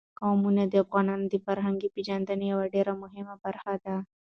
قومونه د افغانانو د فرهنګي پیژندنې یوه ډېره مهمه برخه ده.